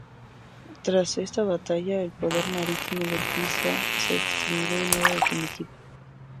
Tras esta batalla, el poder marítimo de Pisa se extinguió de modo definitivo.